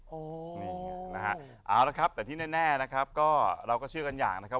โอ้โหนี่ไงนะฮะเอาละครับแต่ที่แน่นะครับก็เราก็เชื่อกันอย่างนะครับ